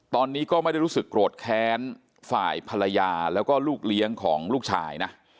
ตอนนี้ก็ไม่ได้รู้สึกโกรธแค้นฝ่ายภรรยาแล้วก็ลูกเลี้ยงของลูกชายนะ